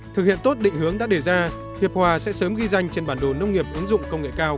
thực hiện tốt định hướng đã đề ra hiệp hòa sẽ sớm ghi danh trên bản đồ nông nghiệp ứng dụng công nghệ cao